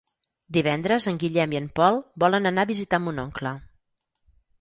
Divendres en Guillem i en Pol volen anar a visitar mon oncle.